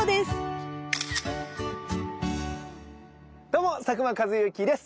どうも佐久間一行です。